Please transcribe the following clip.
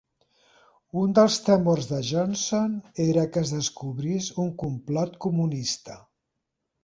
Un dels temors de Johnson era que es descobrís un complot comunista.